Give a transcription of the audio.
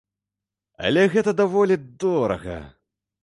Але гэта даволі дорага.